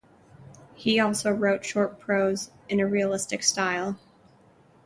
He also wrote short prose in a realistic style.